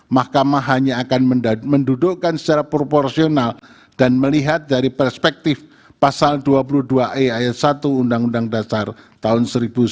mahkamah hanya akan mendudukkan secara proporsional dan melihat dari perspektif pasal dua puluh dua e ayat satu undang undang dasar tahun seribu sembilan ratus empat puluh lima